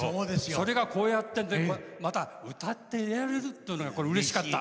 それが、こうやってねまた歌っていられるっていうのがうれしかった。